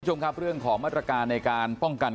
มิชชวงครับเรื่องของมาตรการในการป้องกัน